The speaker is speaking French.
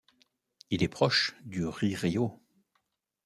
Il est proche du ririo.